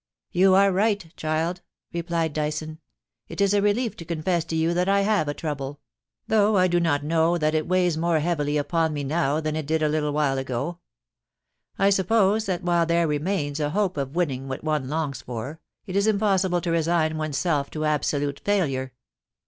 ' You are right, child,' replied Dyson. * It is a relief to confess to you that I have a trouble, though I do not know that it weighs more heavily upon me now than it did a little while ago. I suppose that while there remains a hope of winning what one longs for, it is impossible to resign one's self to absolute failure.